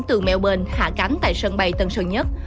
từ melbourne hạ cánh tại sân bay tân sơn nhất